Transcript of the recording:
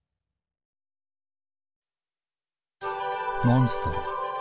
モンストロ。